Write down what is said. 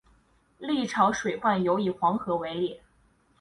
历朝水患尤以黄河为烈。